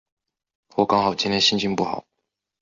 或刚好今天心情不好？